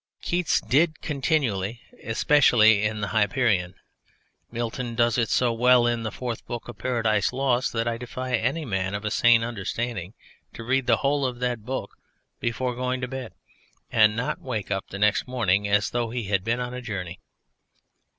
Keats did it continually, especially in the Hyperion. Milton does it so well in the Fourth Book of Paradise Lost that I defy any man of a sane understanding to read the whole of that book before going to bed and not to wake up next morning as though he had been on a journey.